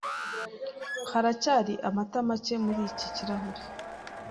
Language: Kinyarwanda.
Haracyari amata make muri iki kirahure.